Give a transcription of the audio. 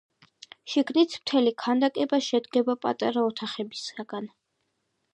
შიგნით მთელი ქანდაკება შედგება პატარა ოთახებისაგან.